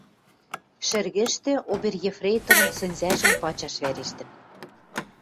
Шӹргӹштӹ обер-ефрейторын сӹнзӓжӹм пачаш вӓрештӹн: